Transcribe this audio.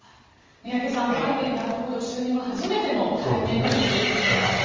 宮家さんバイデン大統領就任後初めての対面での米中首脳会談